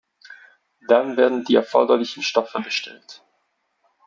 Dann werden die erforderlichen Stoffe bestellt.